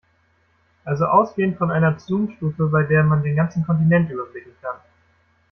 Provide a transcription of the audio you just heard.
Also ausgehend von einer Zoomstufe, bei der man den ganzen Kontinent überblicken kann.